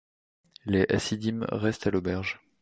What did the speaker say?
Les hassidim restent à l'auberge.